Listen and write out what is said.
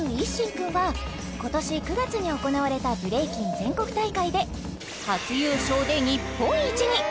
君は今年９月に行われたブレイキン全国大会で初優勝で日本一に！